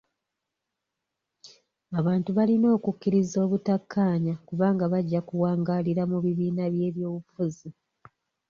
Abantu balina okukkiriza obutakkaanya kubanga bajja kuwangaalira mu bibiina by'ebyobufuzi.